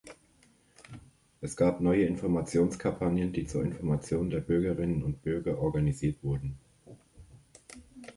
Es gab neue Informationskampagnen, die zur Information der Bürgerinnen und Bürger organisiert wurden.